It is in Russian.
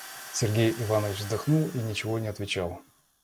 Сергей Иванович вздохнул и ничего не отвечал.